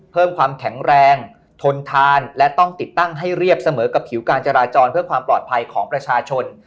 เพิ่มความแข็งแรงทนทานและต้องติดตั้งให้เรียบเสมอกับผิวการจราจรเพื่อความปลอดภัยของประชาชน